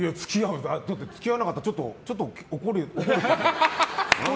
だって付き合わなかったらちょっと怒るというか。